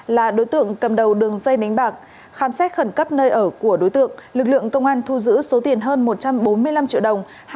là đối tượng cầm đầu đường dây đánh bạc khám xét khẩn cấp nơi ở của đối tượng lực lượng công an thu giữ số tiền hơn một trăm bốn mươi năm triệu đồng